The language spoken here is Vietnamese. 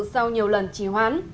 sau nhiều lần chỉ hoán